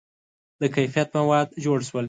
• د کیفیت مواد جوړ شول.